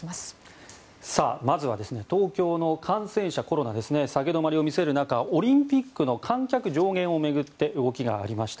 まずは東京のコロナの感染者下げ止まりを見せる中オリンピックの観客上限を巡って動きがありました。